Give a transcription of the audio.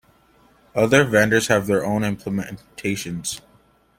Other vendors have their own implementation.